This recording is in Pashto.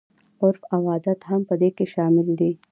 عرف او عادت هم په دې کې شامل دي.